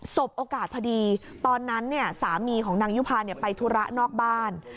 บโอกาสพอดีตอนนั้นสามีของนางยุภาไปธุระนอกบ้าน